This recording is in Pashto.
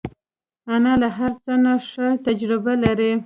انا له هر څه نه ښه تجربه لري